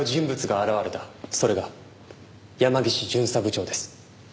それが山岸巡査部長です。